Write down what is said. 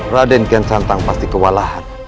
raden kian santang pasti kawalahan